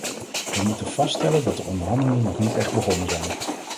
We moeten vaststellen dat de onderhandelingen nog niet echt begonnen zijn.